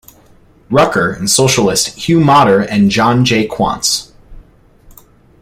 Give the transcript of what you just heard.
Rucker, and Socialists Hugh Motter and John J. Quantz.